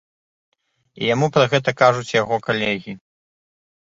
І яму пра гэта кажуць яго калегі.